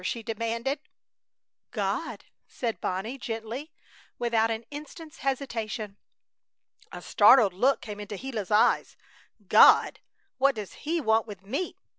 she demanded. "God," said Bonnie, gently, without an instant's hesitation. A startled look came into Gila's eyes. "God! What does He want with me?